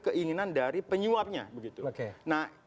keinginan dari penyuapnya begitu oke nah